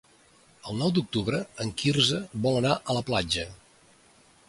El nou d'octubre en Quirze vol anar a la platja.